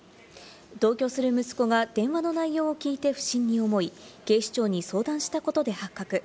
同居する息子が電話の内容を聞いて不審に思い、警視庁に相談したことで発覚。